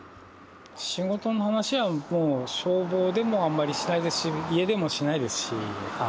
仕事の話はもう消防でもあんまりしないですし家でもしないですし。